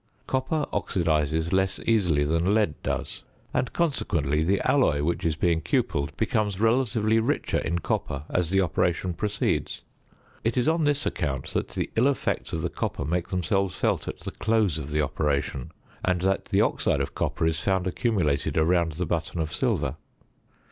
Copper oxidises less easily than lead does; and, consequently, the alloy which is being cupelled becomes relatively richer in copper as the operation proceeds. It is on this account that the ill effects of the copper make themselves felt at the close of the operation, and that the oxide of copper is found accumulated around the button of silver.